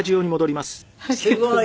すごい。